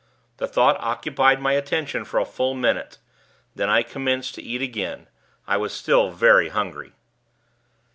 The thought occupied my attention for a full minute; then I commenced to eat again. I was still very hungry.